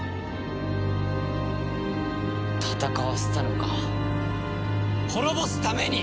戦わせたのか滅ぼすために！